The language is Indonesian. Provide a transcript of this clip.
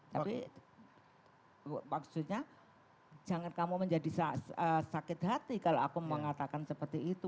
tapi maksudnya jangan kamu menjadi sakit hati kalau aku mengatakan seperti itu